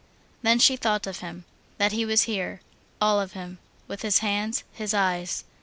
Then she thought of him, that he was here, all of him, with his hands, his eyes.